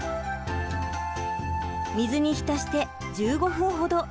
水に浸して１５分程。